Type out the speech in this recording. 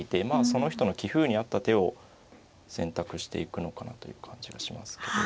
その人の棋風に合った手を選択していくのかなという感じがしますけど。